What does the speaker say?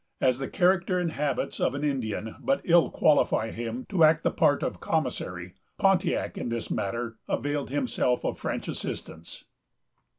As the character and habits of an Indian but ill qualify him to act the part of commissary, Pontiac in this matter availed himself of French assistance.